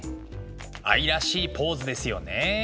愛らしいポーズですよね。